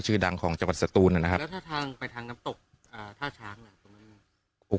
ชื่อดังของจักรสตูนอ่ะนะครับแล้วทางไปทางน้ำตกอ่าท่าช้างบนโอ้